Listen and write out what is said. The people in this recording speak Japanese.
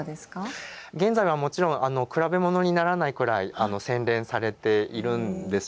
現在はもちろん比べものにならないくらい洗練されているんですよね。